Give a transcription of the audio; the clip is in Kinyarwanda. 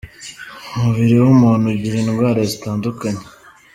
Umubiri w’umuntu ugira indwara zitandukanye.